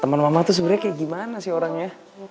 teman mama tuh sebenarnya kayak gimana sih orangnya